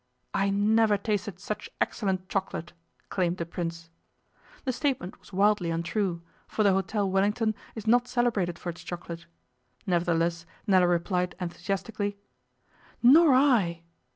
'I never tasted such excellent chocolate,' claimed the Prince. The statement was wildly untrue, for the Hôtel Wellington is not celebrated for its chocolate. Nevertheless Nella replied enthusiastically, 'Nor I.